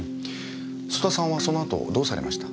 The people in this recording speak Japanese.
曽田さんはその後どうされました？